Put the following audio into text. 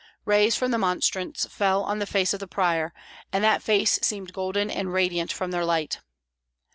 Rays from the monstrance fell on the face of the prior, and that face seemed golden and radiant from their light.